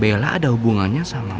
bella ada hubungannya sama